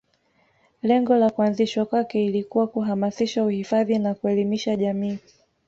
Lengo la kuanzishwa kwake ilikuwa kuhamasisha uhifadhi na kuelimisha jamii